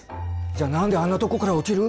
じゃあ何であんなとこから落ちる。